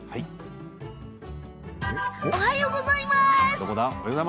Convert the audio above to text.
おはようございます。